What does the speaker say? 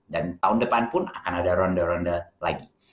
dan tahun depan pun akan ada ronde ronde lagi